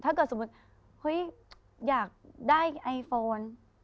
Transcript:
ถ้าเกิดสมมุติเฮ้ยอยากได้ไอโฟน